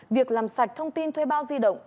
việc làm sạch thông tin thuê bao di động